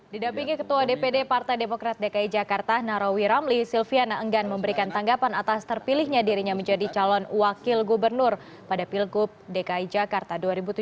didampingi ketua dpd partai demokrat dki jakarta narawi ramli silviana enggan memberikan tanggapan atas terpilihnya dirinya menjadi calon wakil gubernur pada pilgub dki jakarta dua ribu tujuh belas